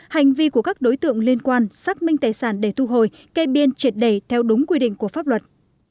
hành vi của các đối tượng liên quan xác minh tài sản để thu hồi kê biên triệt đẩy theo đúng quy định của pháp luật